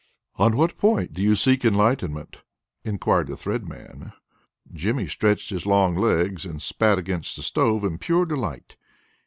"On what point do you seek enlightenment?" inquired the Thread Man. Jimmy stretched his long legs, and spat against the stove in pure delight.